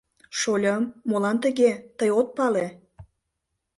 Шольым, молан тыге, тый от пале?